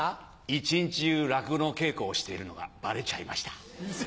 一日中落語の稽古をしているのがバレちゃいました。